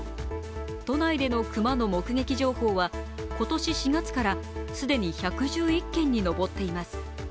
都内での熊の目撃情報は今年４月から既に１１１件に上っています。